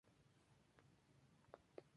Habita en el Sureste de África.